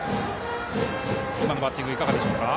今のバッティングいかがですか。